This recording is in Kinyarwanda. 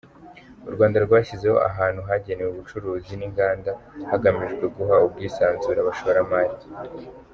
U Rwanda rwashyizeho ahantu hagenewe ubucuruzi n’inganda hagamijwe guha ubwisanzure abashoramari.